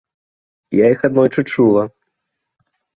Я іх аднойчы чула.